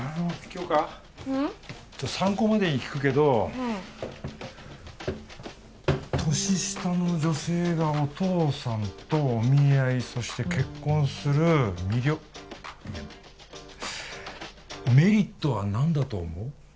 ちょっと参考までに聞くけどうん年下の女性がお父さんとお見合いそして結婚する魅力いやメリットは何だと思う？